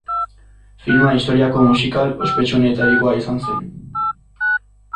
Filma historiako musikal ospetsuenetarikoa izan zen.